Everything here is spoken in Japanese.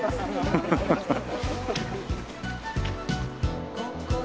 ハハハハ。